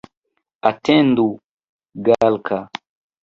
Atendu, Galka!